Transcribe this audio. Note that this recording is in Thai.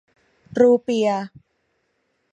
รูเปียห์